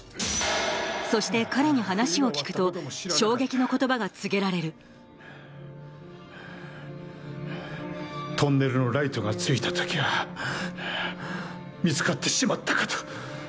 そして彼に話を聞くと告げられるトンネルのライトがついた時は見つかってしまったかと。